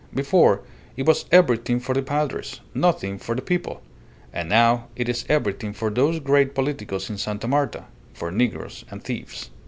Before, it was everything for the Padres, nothing for the people; and now it is everything for those great politicos in Sta. Marta, for negroes and thieves."